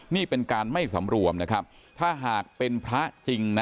นี่เป็นการไม่สำรวมนะครับถ้าหากเป็นพระจริงนะ